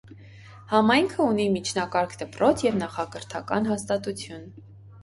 Համայնքը ունի միջնակարգ դպրոց և նախակրթական հաստատություն։